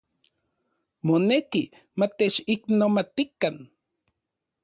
Moneki matechiknomatikan.